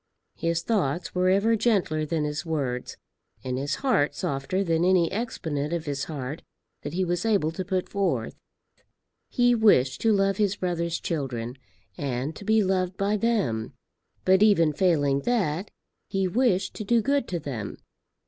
His thoughts were ever gentler than his words, and his heart softer than any exponent of his heart that he was able to put forth. He wished to love his brother's children, and to be loved by them; but even failing that, he wished to do good to them.